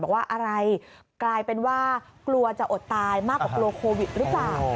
บอกว่าอะไรกลายเป็นว่ากลัวจะอดตายมากกว่ากลัวโควิดหรือเปล่า